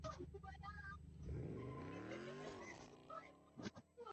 其附属公司包括九龙仓集团以及会德丰地产。